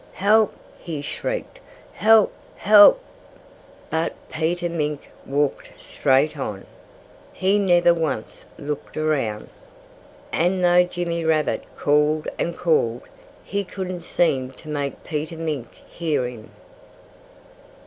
"Help!" he shrieked. "Help! Help!" But Peter Mink walked straight on. He never once looked around. And though Jimmy Rabbit called and called, he couldn't seem to make Peter Mink hear him.